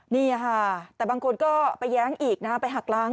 นี่ค่ะแต่บางคนก็ไปแย้งอีกนะไปหักล้าง